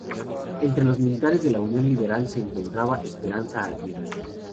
Entre los militantes de Unión Liberal se encontraba Esperanza Aguirre.